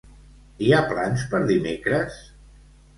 Hi ha plans per dimecres?